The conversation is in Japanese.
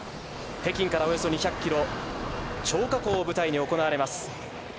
北京からおよそ２００ｋｍ、張家口を舞台に行われます